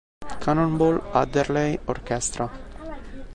Cannonball Adderley Orchestra